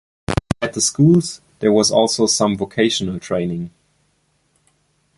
At the schools there was also some vocational training.